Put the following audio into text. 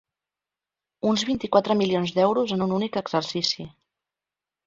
Uns vint-i-quatre milions d’euros en un únic exercici.